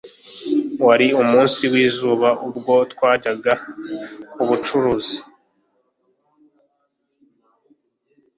Wari umunsi wizuba ubwo twajyaga kubucuruzi